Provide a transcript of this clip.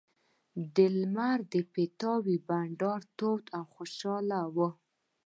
د لمر د پیتاوي بنډار تود و خوشاله وو.